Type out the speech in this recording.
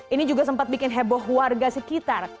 ini juga sempat bikin heboh warga sekitar